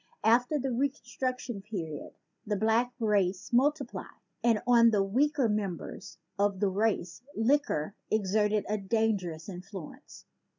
After the Reconstruction period the black race multiplied; and on the weaker members of the race liquor everted a dangerous influence.